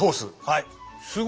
はい！